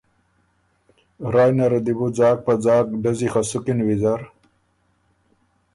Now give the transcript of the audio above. رایٛ نره دی بو ځاک په ځاک ډزي خه سُکِن ویزر